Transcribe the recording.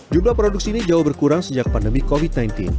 jumlah produksi ini jauh berkurang sejak pandemi covid sembilan belas